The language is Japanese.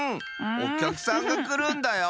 おきゃくさんがくるんだよ！